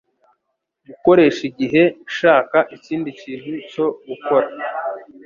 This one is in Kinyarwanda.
gukoresha igihe shaka ikindi kintu cyo gukora